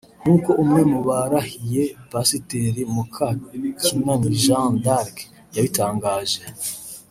nk’uko umwe mu barahiye Pasiteri Mukakinani Jeanne D’arc yabitangaje